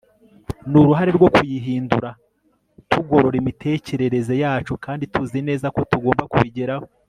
n'uruhare rwo kuyihindura tugorora imitekerereze yacu kandi tuzi neza ko tugomba kubigeraho